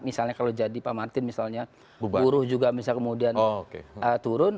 misalnya kalau jadi pak martin misalnya buruh juga misalnya kemudian turun